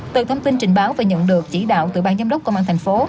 từ thông tin trình báo và nhận được chỉ đạo từ ban giám đốc công an tp